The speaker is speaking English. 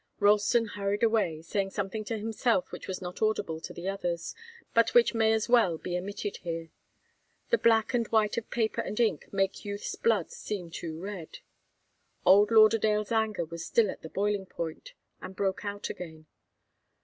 Ralston hurried away, saying something to himself which was not audible to the others, and which may as well be omitted here. The black and white of paper and ink make youth's blood seem too red. Old Lauderdale's anger was still at the boiling point, and broke out again.